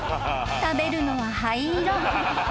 食べるのは灰色］